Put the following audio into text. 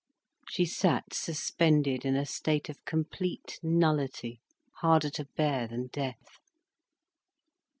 She sat suspended in a state of complete nullity, harder to bear than death.